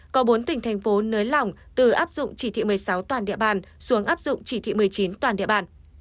có bốn tỉnh thành phố nới lỏng từ áp dụng chỉ thị một mươi sáu toàn địa bàn xuống áp dụng chỉ thị một mươi chín toàn địa bàn